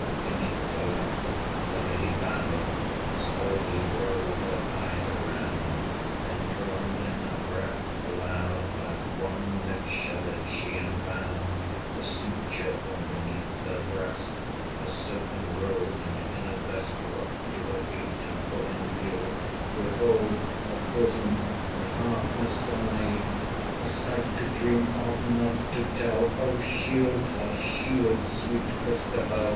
Beneath the lamp the lady bowed, 245 And slowly rolled her eyes around; Then drawing in her breath aloud, Like one that shuddered, she unbound The cincture from beneath her breast: Her silken robe, and inner vest, 250 Dropt to her feet, and full in view, Behold! her bosom and half her side A sight to dream of, not to tell! O shield her! shield sweet Christabel!